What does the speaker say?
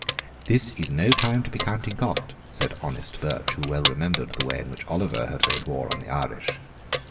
"This is no time to be counting cost," said honest Birch, who well remembered the way in which Oliver had made war on the Irish.